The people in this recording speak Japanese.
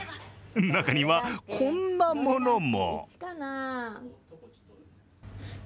中には、こんなものも。